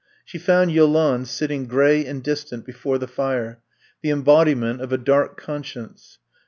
She found Yolande sitting gray and distant before the fire, the embodiment of a dark conscience.